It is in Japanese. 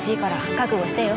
覚悟してよ！